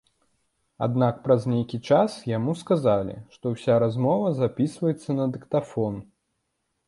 Аднак праз нейкі час яму сказалі, што ўся размова запісваецца на дыктафон.